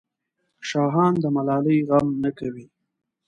شاهان د ملالۍ غم نه کوي.